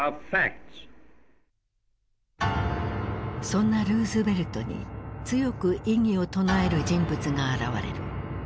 そんなルーズベルトに強く異議を唱える人物が現れる。